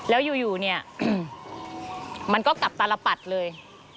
แล้วอยู่มันก็กลับตาละปัดเลย